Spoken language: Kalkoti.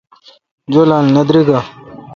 جولال نہ دریگہ۔